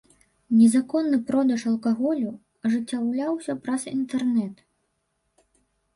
Незаконны продаж алкаголю ажыццяўляўся праз інтэрнэт.